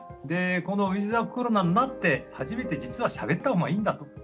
でこのウィズコロナになって初めて実はしゃべった方がいいんだと。